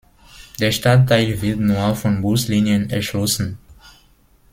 Der Stadtteil wird nur von Buslinien erschlossen.